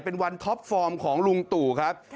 เป็นวันท็อปฟอร์มของลุงตู่ครับ